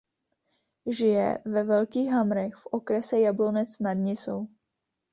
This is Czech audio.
Žije ve Velkých Hamrech v okrese Jablonec nad Nisou.